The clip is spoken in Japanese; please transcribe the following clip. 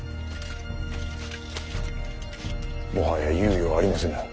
もはや猶予はありませぬ。